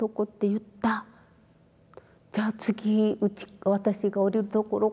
じゃ次私が降りるところかな。